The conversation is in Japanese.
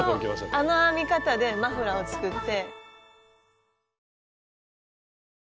あの編み方でマフラーを作って。